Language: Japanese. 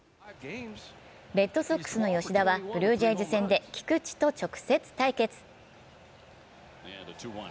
レッドソックスの吉田はブルージェイズ戦で菊池と直接対決。